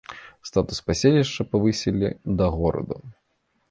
Статус паселішча павысілі да горада.